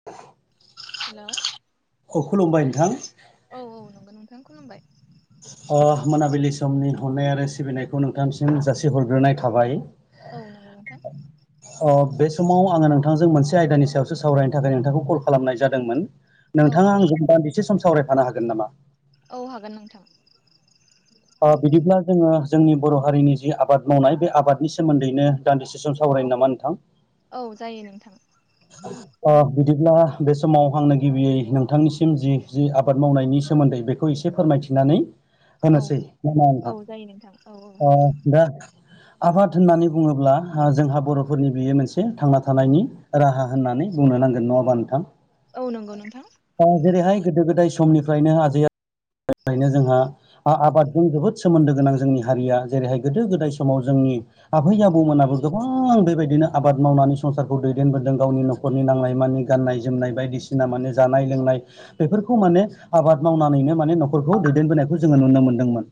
[inaudible] [inaudible] हेल' अ खुलुमबाय नोंथां औ औ नंगौ नोंथां खुलुमबाय अ मोनाबिलि समनि अननाय आरो सिबिनायखौ नोंथांसिम जासिहरग्रोनाय थाबाय औ नंगौ नोंथां [inaudible] बे समाव आङो नोंथांजों मोनसे आयदानि सायावसो सावरायनो थाखाय नोंथांखौ कल खालामनाय जादोंमोन औ नोंथाङा आंजों दान्दिसे सम सावरायफानो हागोन नामा औ हागोन नोंथां बिदिब्ला जोङो जोंनि बर' हारिनि जि आबाद मावनाय बे आबादनि सोमोन्दैनो दान्दिसे सम सावरायनो नामा नोंथां औ जायो नोंथां अ बिदिब्ला बे समाव आंनो गिबियै नोंथांनिसिम जि आबाद मावनायनि सोमोन्दै बेखौ एसे फोरमायथिनानै औ होनोसै [unintelligible] औ जायो नोंथां औ अ औ दा आबाद होननानै बुङोब्ला जोंहा बर'फोरनि बियो मोनसे थांना थानायनि राहा होननानै बुंनो नांगोन नङाबा नोंथां औ नंगौ नोंथां। औ जेरैहाय गोदो गोदाय समनिफ्रायनो आजै [unintelligible] जोंहा ओ आबादजों जोबोद सोमोन्दो गोनां जोंनि हारिया जेरैहाय गोदो गोदाय समाव जोंनि आबै आबौमोनाबो गोबां बेबायदिनो आबाद मावनानै संसारखौ दैदेनबोदों गावनि न'खर नि नांनाय मानि गाननाय जोमनाय बायदिसिना माने जानाय लोंनाय बेफोरखौ माने आबाद मावनानैनो माने नखरखौ दैदेनबोनायखौ जोङो नुनो मोनदोंमोन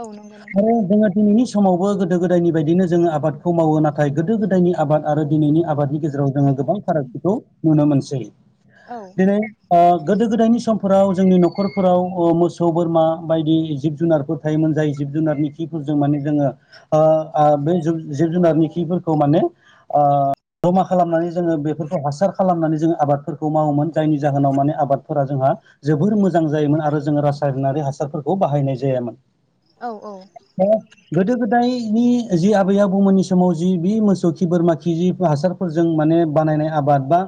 औ नंगौ नोंथां आरो जोङो दिनैनि समावबो गोदो गोदायनि बायदिनो जोङो आबादखौ मावो नाथाय गोदो गोदायनि आबाद आरो दिनैनि आबादनि गेजेराव जोङो गोबां फारागथिखौ नुनो मोनसै। औ दिनै गोदो गोदायनि समफोराव जोंनि न'खरफोराव मोसौ बोरमा बायदि जिब जुनारफोर थायोमोन जाय जिब जुनारनि खिफोरजों माने जोङो ओ ओ बे जिब जुनारनि खिफोरखौ माने ओ जमा खालामनानै जोङो बेफोरखौ हासार खालामनानै जोङो आबादफोरखौ मावोमोन जायनि जाहोनाव माने आबादफोरा जोंहा जोबोर मोजां जायोमोन आरो जोङो रासायनारि हासारफोरखौ बाहायनाय जायामोन। औ औ। [unintelligible] गोदो गोदायनि जि आबै आबौमोननि समाव जि बे मोसौ खि बोरमा खि जि हासार फोरजों माने बानायनाय आबाद बा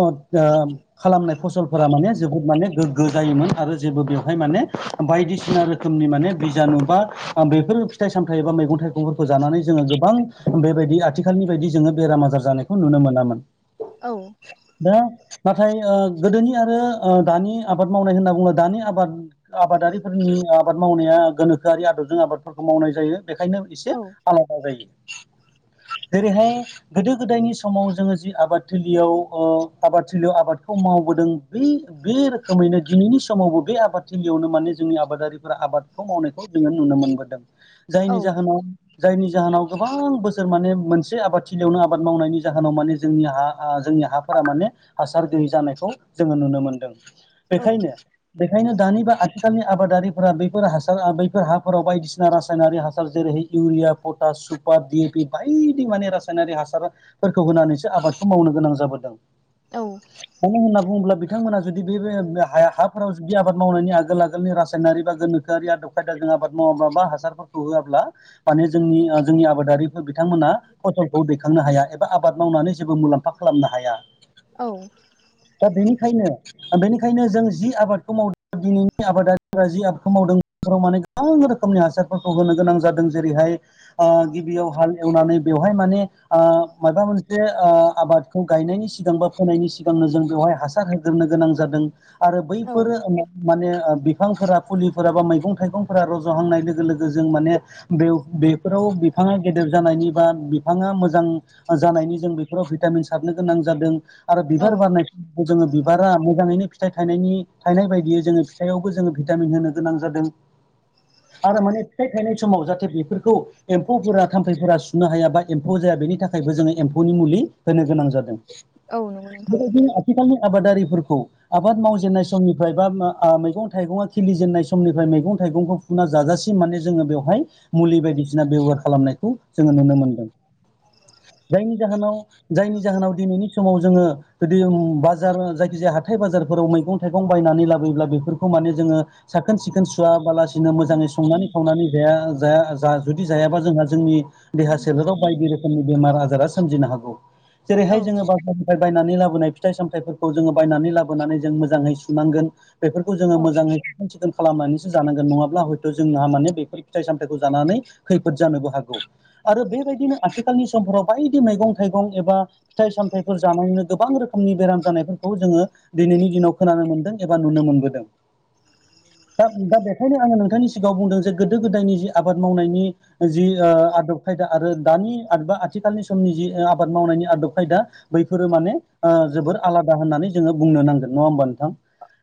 ओ [unintelligible] खालामनाय फसलफोरा माने जोबोद माने गोग्गो जायोमोन आरो जेबो बेव हाय माने बायदिसिना रोखोमनि माने बिजानु बा बेफोर फिथाइ सामथाइ मैगं थाइगंफोर खौ जानानै जोङो गोबां बेबायदि आथिखालनि बायदि जोङो बेराम आजार जानायखौ नुनो मोनामोन। औ। दा नाथाय ओ गोदोनि आरो दानि आबाद मावनाय होनना बुंब्ला दानि आबाद आबादारिफोरनि आबाद मावनाया गोनोखोआरि आदबजों आबादफोरखौ मावनाय जायो। बेखायनो एसे औ आलादा जायो। जेरैहाय गोदो गोदायनि समाव जोङो जि आबाद थिलियाव ओ आबाद थिलियाव आबादखौ मावबोदों बै बे रोखोमैनो दिनैनि समावबो बे आबाद थिलियावनो माने जोंनि आबादारिफोरा आबादखौ मावनायखौ जोङो नुनो मोनबोदों, औ जायनि जाहोनाव जायनि जाहोनाव गोबां बोसोर माने मोनसे आबादथिलियावनो आबाद मावनायनि जाहोनाव माने जोंनि हा ओ जोंनि हा फोरा माने हासार गैयै जानायखौ जोङो नुनो मोनदों। औ बेखायनो बेखायनो दानि बा आथिखालनि आबादारिफोरा बैफोर हासार बैफोर हाफोराव बायदिसिना रासायनारि हासार जेरैहाय urea potash, super, D A P बायदि माने रासायनारि हासार फोरखौ होनानैसो आबादखौ मावनो गोनां जाबोदों। औ। मानो होनना बुङोब्ला बिथांमोना जुदि बे बे बे हाफोराव जुदि आबाद मावनायनि आगोल आगोलनि रासायनारि बा गोनोखोआर आदब खायदाजों आबाद मावाब्ला बा हासारफोरखौ होआब्ला माने जोंनि जोंनि आबादारिफोर बिथांमोना फसलखौ दैखांनो हाया एबा आबाद मावनानै जेबो मुलाम्फा खालामनो हाया। औ। दा बेनिखायनो बेनिखायनो जों जि आबादखौ मावदों दिनैनि आबादारिफोरा जि आबादखौ मावदों बेफोराव माने गोबां रोखोमनि हासारफोरखौ होनो गोनां जादों जेरैहाय ओ गिबियाव हाल एवनानै बेवहाय माने ओ माबा मोनसे ओ आबाद खौ गायनायनि सिगां बा फोनायनि सिगांनो जों बेवहाय हासार होग्रोनो गोनां जादों। आरो औ बैफोरो माने बिफांफोरा फुलिफोरा बा मैगं थाइगंफोरा रज'हांनाय लोगो लोगो जों माने बेव बेफोराव बिफाङा गेदेर जानायनि बा बिफाङा मोजां जानायनि जों बेफोराव भिटामिन सारनो गोनां जादों आरो औ बिबार बारनाय समखौ जोङो बिबारा मोजाङैनो फिथाइ थायनायनि थायनाय बायदियै जोङो फिथायावबो जोङो भिटामिन होनो गोनां जादों। आरो माने फिथाइ थायनाय समाव जाहाथे बेफोरखौ एम्फौफोरा थाम्फैफोरा सुनो हायााबा एम्फौ जाया बेनि थाखायबो जोङो एम्फौनि मुलि होनो गोनां जादों औ नंगौ नोंथां बेबायदिनो आथिखालनि आबादारिफोरखौ आबाद मावजेननाय समनिफ्राय बा मैगं थाइगङा खिलिजेननाय समनिफ्राय मैगं थाइगंखौ फुना जाजासेम माने जोङो बेवहाय मुलि बायदिसिना बेबहार खालामनायखौ जोङो नुनो मोनदों जायनि जाहोनाव जायनि जाहोनाव दिनैनि समाव जोङो जुदि बाजार जायखिजाया हाथाय बाजारफोराव मैगं थाइगं बायनानै लाबोयोब्ला बेफोरखौ माने जोङो साखोन सिखोन सुवाबालासिनो मोजाङै संनानै सावनानै ज ज जुदि जायाबा जोंहा जोंनि देहा सोलकाव बाय बेमार आजारा सोमजिनो हागौ औ जेरैहाय जोङो ब ओमफ्राय बायनानै लाबोनाय फिथाइ सामथायाइफोरखौ जोङो बायनानै लाबोनानै जों मोजाङै सुनांगोन बेफोरखौ जोङो औ मोजाङै साखोन सिखोन खालामनानैसो जानांगोन नङाब्ला हयथ' जोंहा माने बेफोर फिथाइ सामथाइखौ जानानै खैफोद जानोबो हागौ आरो बेबायदिनो आथिखालनि समफोराव बायदि मैगं थाइगं एबा फिथाइ सामथायाइफोर जानानैनो गोबां रोखोमनि बेराम जानायफोरखौ जोङो दिनैनि दिनाव खोनानो मोनदों एबा नुनो मोनबोदों दा दा बेखायनो आङो नोंथांनि सिगाङाव बुंदों जे गोदो गोदायनि जि आबाद मावनायनि जि आदब खायदा आरो दानिबा आथिखालनि समनि जि आबाद मावनायनि आदब खायदा बैफोरो माने जोबोर आलादा होननानै जोङो बुंनो नांगोन नङा होमबा नोंथां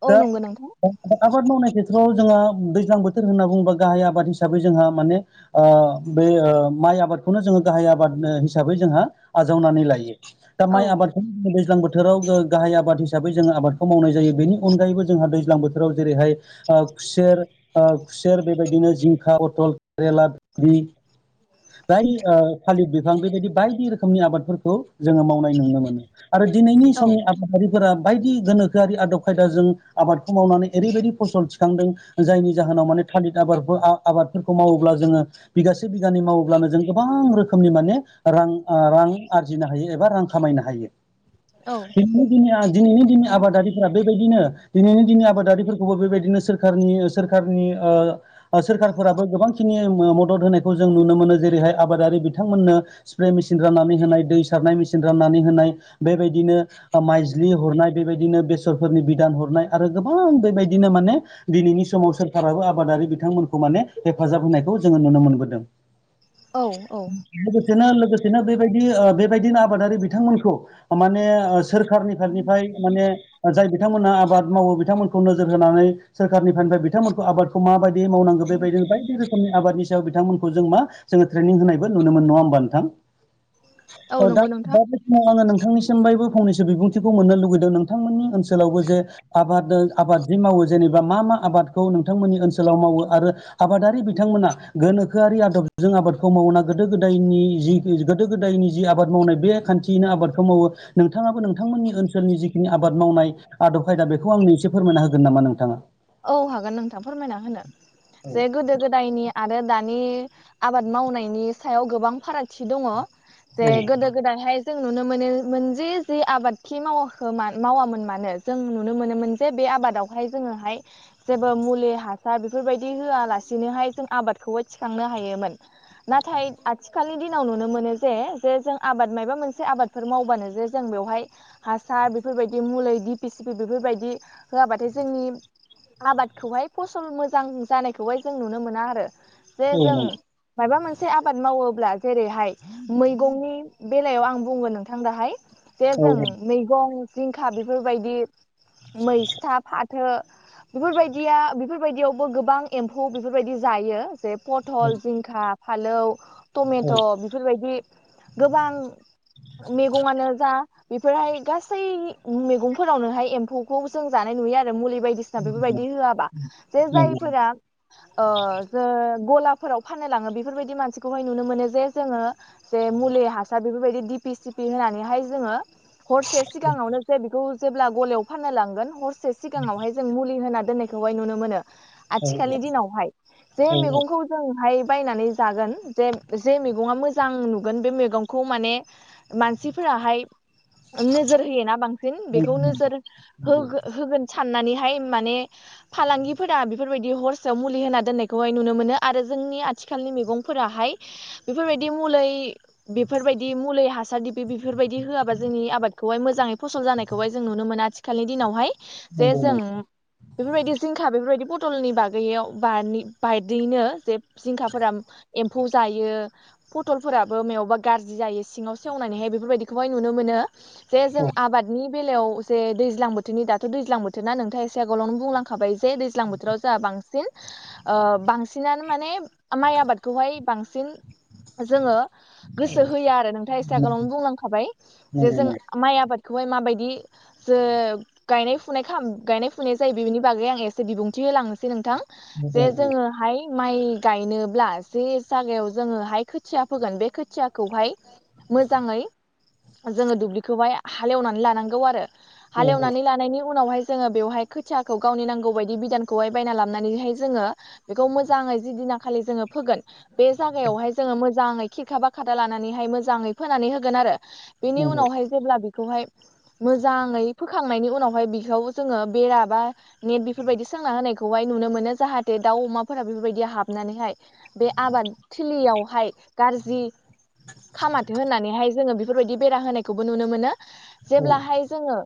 औ दा नंगौ नोंथां दा आबाद मावनाय खेथ्रआव जोंहा दैज्लां बोथोर होनना बुङोबा गाहाय आबाद हिसाबै जोंहा माने बे माइ आबादखौनो जोङो गाहाय आबाद हिसाबै जोंहा आजावनानै लायो दा औ माइ आबादखौ दैज्लां बोथोराव गाहाय आबाद हिसाबै जोङो आबादखौ मावनाय जायो बेनि अनगायैबो जोंहा दैज्लां बोथोराव जेरैहाय खुसेर खुसेर बेबायदिनो जिंखा अथल केेला बाय थालिर बिफां बेबायदि बायदि रोखोम रोखोमनि आबादफोरखौ जोङो मावनाय नुनो मोनो आरो दिनैनि औ समनि आबाद फोरा बायदि गोनोखोआरि आदब खायदाजों आबादखौ मावनानै ओरैबायदि फसल थिखांदों जायनि जाहोनाव माने थालिर आबादबो आबादफोरखौ मावोब्ला जोङो बिगासे बिगानि मावोब्लानो जों गोबां रोखोमनि माने रां रां आरजिनो हायो एबा रां खामायनो हायो औ दिनैनो दिनै दिनैनो दिनै आबादारि बेबायदिनो दिनैनि दिनै आबादारिफोरखौबो बेबायदिनो सोरखारनि सोरखारनि सोरखारफोराबो गोबांखिनि मदद होनायखौ जों नुनो मोनो जेरैहाय आबादारि बिथांमोननो स्प्रे मेचिन राननानै होनाय दै सारनाय मेचिन राननानै होनाय बेबायदिनो माइज्लि हरनाय बेबायदिनो बेसरफोरनि बिदान हरनाय आरो गोबां बेबायदिनो माने दिनैनि समाव सोरखाराबो आबादारि बिथांमोनखौ माने हेफाजाब होनायखौ जोङो नुनो मोनबोदों औ औ लोगोसेनो लोगोसेनो बेबायदि बेबायदिनो आबादारि बिथांमोनखौ माने सोर सोरखारनिफ्राय माने जाय बिथांमोना आबाद मावो बिथांमोनखौ नोजोर होनानै सोरखारनिफ्रायफ्राय बिथांमोनखौ आबादखौ माबायदि बे मावनांगौ बेबायदिनो बायदि रोखोम नि आबादनि सायाव बिथांमोनखौ जों मा जोङो ट्रेनिं होनायबो नुनो मोन नङा होमबा नोंथां औ अ दा नंगौ नोंथां दा बे समाव आङो नोंथांनिसिम बायबो फंनैसो बिबुंथिखौ मोननो लुगैदों नोंथांमोननि ओनसोलावबो जे आबाद आबाद जि मावो जेनेबा मा मा आबादखौ नोंथांमोननि ओनसोलाव मावो आरो आबादारि बिथांमोना गोनोखोआरि आदबजों आबादखौ मावना गोदो गोदायनि जि गोदो गोदायनि जि आबाद मावनाय बे खान्थियैनो आबादखौ मावो नोंथाङाबो नोंथांमोननि ओनसोलनि जिखिनि आबाद मावनाय आदब खायदा बेखौ आंनो एसे फोरमायना होगोन नामा नोंथाङा औ हागोन नोंथां फोरमायना होनो जे गोदो गोदायनि आरो दानि। आबाद मावनायनि सायाव गोबां फारागथि दङ जे औ गोदो गोदायहाय जों नुनो मोनो मोनजे जे आबादखि मावाखो मावामोन मानो जों नुनो मोनो मोन जे बे आबादावहाय जोङोहाय जेबो मुलि हासार बेफोरबायदि होआलासिनोहाय जों आबादखौबो थिखांनो हायोमोन। नाथाय आथिखालनि दिनाव नुनो मोनो जे जे जों आबाद मायबा मायबा मोनसे आबाद। फोर मावबानो जे जों बेवहाय हासार बेफोरबायदि मुलै दिपि सिपि बेफोरबायदि होआबाथाय जोंनि आबादखौहाय फसल मोजां जानायखौहाय जों नुनो मोना आरो जे जों माबा मोनसे आबाद मावोब्ला जेरैहाय मैगंनि बेलायाव आं बुङो नोंथां दाहाय। जे जों औ मैगं जिंखा बेफोरबायदि मैस्था फाथो। बेफोरबायदिया बेफोरबायदियावबो गोबां एम्फौ बेफोरबायदि जायो जे पटल जिं खा फालौ टमेट' बेफोरबायदि गोबां मैगंआनो जा बेफोरहाय गासै मैगंफोरावनोहाय एम्फौखौ जों जानाय नुयो आरो मुलि बायदि। सिना नंगौ बेफोरबायदि होआबा जे औ जायफोरा ओ जो गलाफोराव फाननो लाङो बेफोरबायदि मानसिखौहाय नुनो मोनो जे जोङो जे मुलि हासार बेफोरबायदि दिपि सिपि होनानैहाय जोङो हरसे सिगाङावनो जे बेखौ जेब्ला गलायाव फाननो लांगोन हरसे सिगाङावहाय [unintelligible] मुलि होना दोननाय खौहाय नुनो मोनो औ आथिखालनि औ नंगौ औ दिनावहाय जे औ औ मैगंखौ जोंहाय बायनानै जागोन जे जे मैगङा मोजां नुगोन बे मैगंखौ माने मानसिफोराहाय नोजोर होयोना बांसिन बेखौ नंगौ नोजोर नंगौ होगो- होगोन साननानै हाय माने फालांगिफोरा बेफोरबायदि हरसेयाव मुलि होना दोननायखौहाय नुनो मोनो आरो जोंनि आथिखालनि मैगंफोराहाय बेफोरबायदि मलै बेफोरबायदि मुलि हासार दिपि बेफोरबायदि होआबा जोंनि आबादखौहाय मोजाङै फसल जानायखौहाय जों नुनो मोना आ खालि दिनावहाय जे नंगौ नों जों बेफोरबायदि जिंखा बेफोरबायदि पथलनि बागैयाव बानि बायदियैनो जे जिंखाफोरा एम्फौ जायो। फटलफोराबो मेवबा गाज्रि जायो सिङाव सेवनानैहाय बेफोरबायदिखौहाय नुनो मोनो। जे जों औ आबादनि बेलायाव जे दैज्लां बोथोरनि दाथ' दैज्लां थोना नोंथाङा एसे आगोलावनो बुंलांखाबाय जे दैज्लां बोथोराव जोंहा बांसिन ओ बांसिनानो माने माइ आबादखौहाय बांसिन जोङो औ गोसो होयो आरो नोंथाङा एसे आगोलावनो नंगौ बुंलांखाबाय जे जों माइ आबादखौहाय माबायदि जे गायनाय फुनाय। गायनाय फुनाय जायो बेनि बागै आं एसे बिबुंथि होलांनोसै नोंथां नंगौ जे औ जोङो हाय माइ गायनोब्ला जे जागायाव जोङोहाय खोथिया फोगोन बे खोथियाखौहाय मोजाङै जोङो दुब्लिखौहाय हालेवनानै लानांगौ आरो। औ हालेवनानै लानायनि उनावहाय जोङो बेवहाय खोथियाखौ गावनि नांगौ बायदि बिदानखौहाय बायना लाबोनानैहाय जोङो बेखौ मोजाङै जि दिनाखालि जोङो फोगोन। बे जायगायावहाय जोङो मोजाङै खिरखा बा खादा लानानैहाय मोजाङै फोनानै होगोन आरो। औ बेनि उनावहाय जेब्ला बिखौहाय मोजाङै फोखांनायनि उनावहाय बिखौ जोङो बेरा बा नेट बेफोरबायदि सोंना होनायखौहाय नुनो मोनो जाहाथे दाउ अमाफोरा बेफोरबायदि हाबनानैहाय बे आबादथिलियावहाय गाज्रि खामाथो होनानैहाय जोङो बेफोरबायदि बेरा होनायखौबो नुनो मोनो। औ जेब्लाहाय जोङो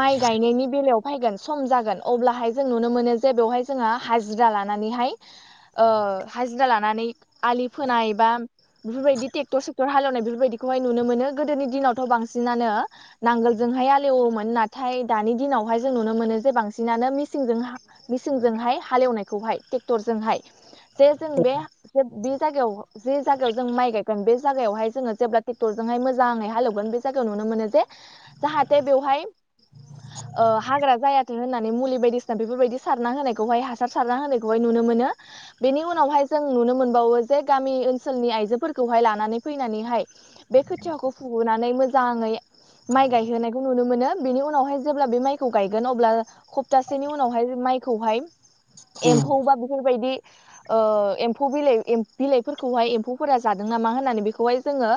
माइ गायनायनि बेलायाव फायगोन सम जागोन अब्लाहाय जों नुनो मोनो जे बेवहाय जोंहा हाजिरा लानानैहाय हाजिरा लानानै आलि फोनाय बा बेफोरबायदि ट्रेक्टर स टर हालेवनाय बेफोरबायदिखौहाय नुनो मोनो गोदोनि दिनावथ' बांसिनानो नांगोलजोंहाय आलेवोमोन नाथाय दानि दिनावहाय जों नुनो मोनो जे बांसिनानो मिसिंजों मेसिनजोंहाय हालेवनायखौहाय ट्रेक्टरजोंहाय जे जों बे बे जायगायाव जे जायगायाव जों माइ गायगोन बे जायगायावहाय जोङो जेब्ला ट्रेक्टरजोंहाय मोजाङै हालेवगोन बे जायगायाव नुनो मोनो जे जाहाथे बेवहाय ओ हाग्रा जायाथों होननानै मुलि बायदिसिना बेफोरबायदि सारना होनायखौहाय हासार सारना होनायखौहाय नुनो मोनो। बेनि उनावहाय जों नुनो मोनबावो जे गामि ओनसोलनि आइजोफोरखौहाय लानानै फैनानैहाय बे खोथियाखौ फुगोनानै मोजाङै माइ गायहोनायखौ नुनो मोनो बेनि उनावहाय जेब्ला बे माइ खौ गायगोन अब्ला खपटासेनि उनावहाय माइखौहाय औ एम्फौ बा बेफोरबायदि ओ एम्फौ बिलाइ बिलाइफोरखौहाय एम्फौफोरा जादों नामा होननानै बेखौहाय जोङो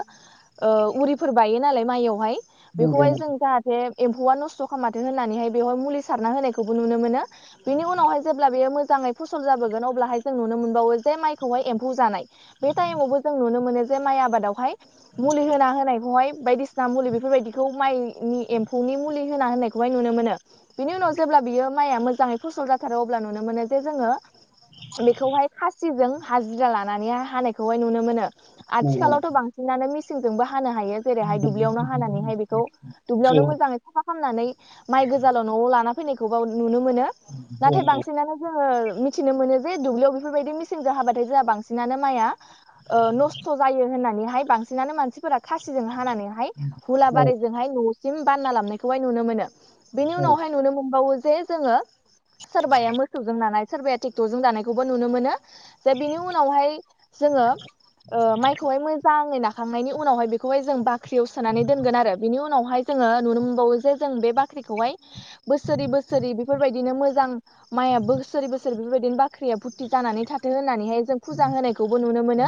ओ उरिफोर बायो नालाय माइयावहाय बेयो बेखौहाय जों जाहाथे एम्फौआ नस्थ' खामाथों होननानैहाय बेवहाय मुलि सारना होनायखौबो नुनो मोनो। बिनि उनावहाय जेब्ला बेयो मोजाङै फसल जाबोगोन अब्लाहाय जों नुनो मोनबावो जे माइखौहाय एम्फौ जानाय। बे टाइमावबो जों नुनो मोनो जे माइ आबादावहाय मुलि होना होनायखौहाय बायदिसिना मुलि बेफोरबायदिखौ माइनि एम्फौनि मुलि होना होनाय खौहाय नुनो मोनो बिनि उनाव जेब्ला बियो माइआ मोजाङै फसल जाथारो अब्ला नुनो मोनो जे जोङो बेखौहाय खासिजों हाजिरा लानानै हानायखौहाय नुनो मोनो। आथिखालावथ' बांसिनानो मिसिंजोंबो हानो हायो। जेरैहाय दुब्लियावनो हानानैहाय बेखौ दुब्लियावनो मोजाङै साफा खामनानै माइ गोजाल' न'आव लाना फैनायखौ बाव नुनो मोनो नाथाय बांसिनानो जोङो मिथिनो मोनो जे दुब्लियाव बेफोरबायदि मेसिंजों हाबाथाय जोंहा बांसिनानो माइया ओ नस्थ' जायो होननानैहाय बांसिनानो मानसिफोरा खासिजों हानानै हाय मोनसे हुलाबारिजोंहाय न'सिम बानना लाबनायखौहाय नुनो मोनो। बेनि उनावहाय नुनो मोनबावो जे जोङो सोरबाया मोसौजों नानाय सोरबाया ट्रेक्टरजों नानायखौबो नुनो मोनो। जे बिनि उनावहाय जोङो ओ‌ माइखौहाय मोजाङै नाखा खांनायनि उनावहाय बेखौहाय जों बाख्रियाव सोनानै दोनगोन आरो बिनि उनावहाय जोङो नुनो मोनबावो जे जों बे बाख ख्रिखौहाय बोसोरै बोसोरै बेफोरबायदिनो मोजां माइया बोसोरै बोसोरै बेफोरबायदिनो बाख्रिया भुतति जानानै थाथों होननानैहाय जों फुजा होनायखौबो नुनो मोनो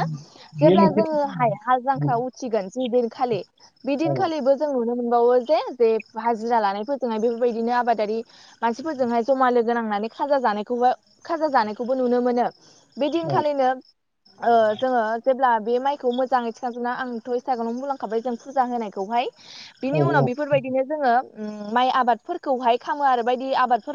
जेब्ला जोङोहाय हाल जांख्रा उथिगोन जि दिनखालि औ बिदिनखालिबो जों नुनो मोनबावो जे जे हाजिरा लानायफोरजोंहाय बेफोरबायदिनो आबादारि मानसिफोरजोंहाय जमा लोगो नांनानै खाजा जानायखौबो खाजा जानायखौबो नुनो मोनो। बेदिनखालिनो ओ जोङो जेब्ला बे माइखौ मोजाङै थिखांजोबना आंथ' एसे आगोलावनो बुंलांखाबाय जों फुजा होनायखौहाय बिनि उनाव बेफोरबायदिनो जोङो उम माइ आबादफोरखौहाय खामो आरो बायदि आबादफोर